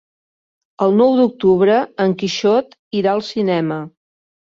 El nou d'octubre en Quixot irà al cinema.